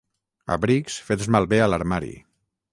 Abrics fets malbé a l'armari.